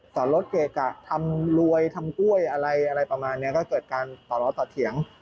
รถเกะกะทำรวยทำกล้วยอะไรอะไรประมาณนี้ก็เกิดการต่อล้อต่อเถียง